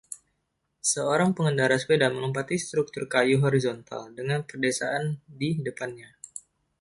Seorang pengendara sepeda melompati struktur kayu horizontal dengan pedesaan di depannya.